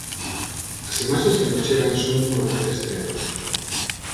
As imaxes que nos chegan son dunha dureza extrema.